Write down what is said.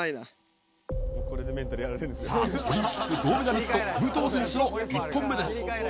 さあ、オリンピック銅メダリスト、武藤選手の１本目です。